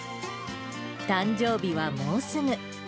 誕生日はもうすぐ。